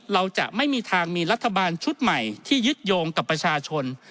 เราจะไม่มีทางมีรัฐบาลชุดใหม่ที่ยึดโยงกับประชาชน